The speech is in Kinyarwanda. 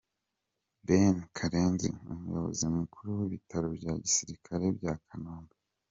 Ben Karenzi umuyobozi mukuru w’Ibitaro bya Gisirikare bya Kanombe .